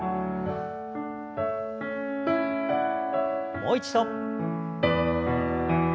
もう一度。